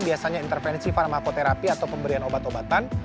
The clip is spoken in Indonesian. biasanya intervensi farmakoterapi atau pemberian obat obatan